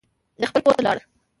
ده خپل کور ته لاړ.